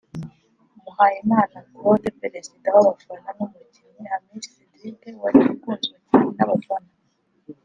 Muhayimana Claude perezida w’abafana n’umukinnyi Hamisi Cedric wari ukunzwe cyane n’abafana